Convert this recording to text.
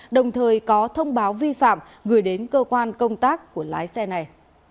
đồng thời có thông báo vi phạm gửi đến cơ quan công tác của lái xe này